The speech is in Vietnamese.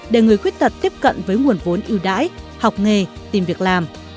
để người khuyết tật tiếp cận với nguồn vốn ưu đãi học nghề tìm việc làm